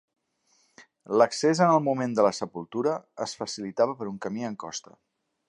L'accés en el moment de la sepultura es facilitava per un camí en costa.